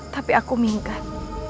tapi aku minggat